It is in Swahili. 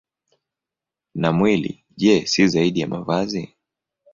Na mwili, je, si zaidi ya mavazi?